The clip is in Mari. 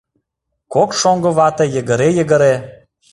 Кок шоҥго вате йыгыре, йыгыре